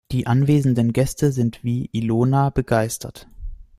Die anwesenden Gäste sind wie Ilona begeistert.